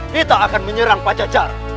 kita akan menyerang pajajaran